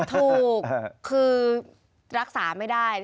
ถูกคือรักษาไม่ได้